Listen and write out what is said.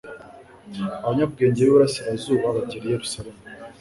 Abanyabwenge b'i burasirazuba bagera i Yerusalemu